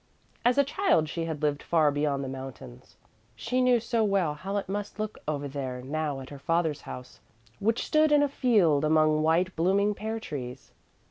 As a child she had lived far beyond the mountains. She knew so well how it must look over there now at her father's house, which stood in a field among white blooming pear trees.